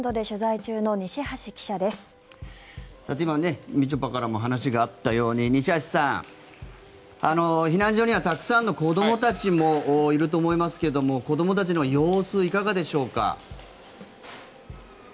今、みちょぱからも話があったように西橋さん、避難所にはたくさんの子どもたちもいると思いますが子どもたちの様子いかがでしょうか。